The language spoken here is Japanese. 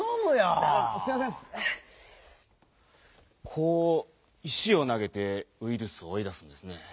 こう石をなげてウイルスをおい出すんですね。